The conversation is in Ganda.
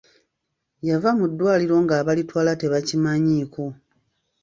Yava mu ddwaliro nga abalitwala tebakimanyiiko.